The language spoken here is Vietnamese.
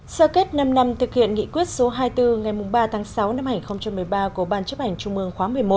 sơ kết năm năm thực hiện nghị quyết số hai mươi bốn ngày ba tháng sáu năm hai nghìn một mươi ba của ban chấp hành trung mương khóa một mươi một